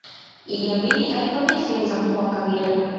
iddi amini alivamia sehemu za mkoa wa kagera